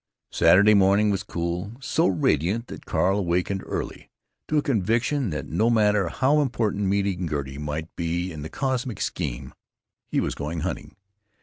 Saturday morning was so cool, so radiant, that Carl awakened early to a conviction that, no matter how important meeting Gertie might be in the cosmic scheme, he was going hunting.